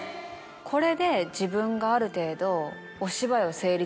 これで自分がある程度。